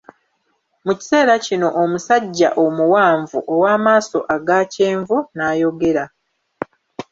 Mu kiseera kino omusajja omuwanvu ow'amaaso aga kyenvu n'ayogera.